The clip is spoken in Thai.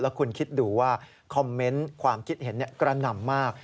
คุณคิดดูว่าคอมเมนต์ความคิดเห็นกระหน่ำมาก